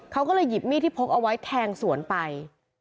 เขาก็เลยหยิบมีดที่พกเอาไว้แทงสวนไป